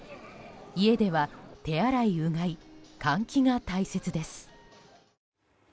家では手洗い・うがい換気が大切です。